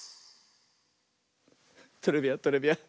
トレビアントレビアン。